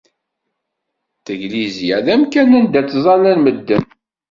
Taglisya d amkan anda ttẓallan medden.